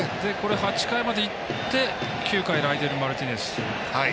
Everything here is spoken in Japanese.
８回までいって９回、ライデル・マルティネス。